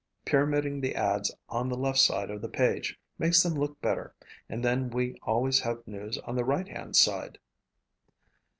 "Pyramiding the ads on the left side of the page makes them look better and then we always have news on the right hand side."